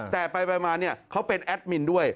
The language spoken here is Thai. แต่ไปมาเขาเป็นแอดมินด้วย